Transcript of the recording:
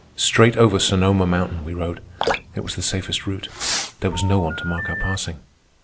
Straight over Sonoma Mountain we rode. It was the safest route. There was no one to mark our passing.